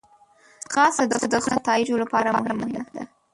ځغاسته د ښو نتایجو لپاره مهمه ده